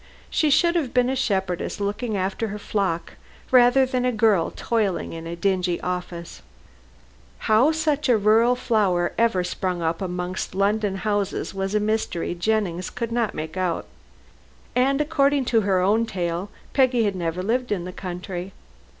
She should have been a shepherdess looking after her flock rather than a girl toiling in a dingy office. How such a rural flower ever sprung up amongst London houses was a mystery Jennings could not make out. And according to her own tale, Peggy had never lived in the country.